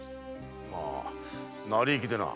まあ成り行きでな。